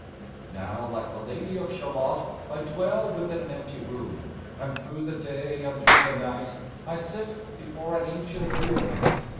Now like the Lady of Shalott, I dwell within an empty room, And through the day and through the night I sit before an ancient loom.